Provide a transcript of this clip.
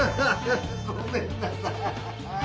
ごめんなさい！